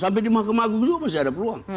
sampai di mahkamah agung juga masih ada peluang